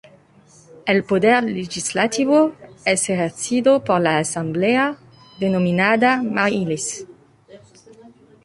El poder legislativo es ejercido por la asamblea, denominada Majlis.